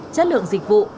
chất lượng dịch vụ